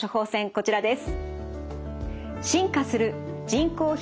こちらです。